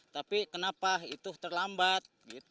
tapi kenapa itu terlambat